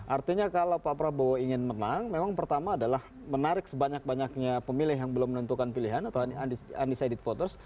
artinya kalau pak prabowo ingin menang memang pertama adalah menarik sebanyak banyaknya pemilih yang belum menentukan pilihan atau undecided voters